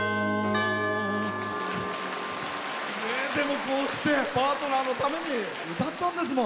こうしてパートナーのために歌ったんですもん。